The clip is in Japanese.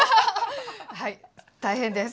はい大変です。